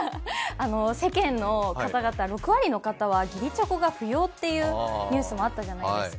世間の方々、６割の方は義理チョコが不要っていうニュースがあったじゃないですか。